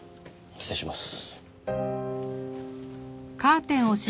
失礼します。